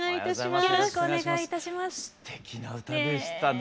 すてきな歌でしたね。